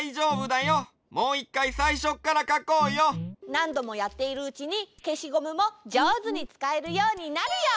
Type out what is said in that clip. なんどもやっているうちにけしゴムもじょうずにつかえるようになるよ！